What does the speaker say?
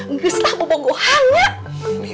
ngeselah bubong gue hangat